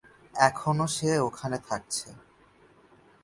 এখনো সে ওখানে থাকছে।